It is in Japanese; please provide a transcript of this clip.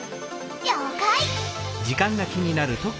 りょうかい！